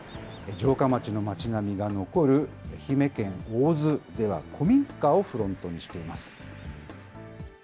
城下町の町並みが残る愛媛県大洲では、古民家をフロントにしています。